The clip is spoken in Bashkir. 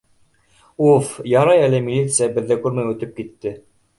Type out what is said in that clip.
Уф, ярай әле милиция беҙҙе күрмәй үтеп китте.